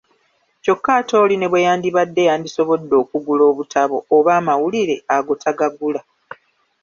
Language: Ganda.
Kyokka ate oli ne bwe yandibadde yandisobodde okugula obutabo oba amawulire ago tagagula.